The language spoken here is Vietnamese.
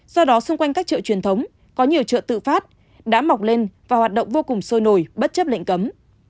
do đó xung quanh các chợ truyền thống có nhiều chợ tự phát đã mọc lên và hoạt động vô cùng sôi nổi bất chấp lệnh cấm